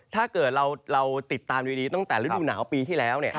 ถ้าเกิดเราติดตามดีตั้งแต่ฤดูหนาวปีที่แล้ว